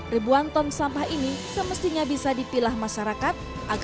ribuan ton sampah ini semestinya bisa dipilah masyarakat